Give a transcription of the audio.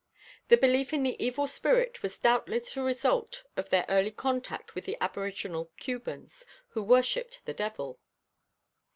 The belief in the Evil Spirit was doubtless the result of their early contact with the aboriginal Cubans, who worshipped the devil.